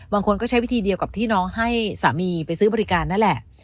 บางคนก็ใช้วิธีเดียวกับที่น้องให้สามีไปซื้อบริการนั่นแหละ